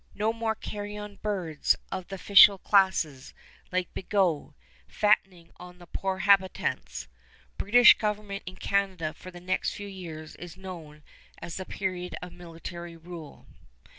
No more carrion birds of the official classes, like Bigot, fattening on the poor habitants! British government in Canada for the next few years is known as the period of military rule.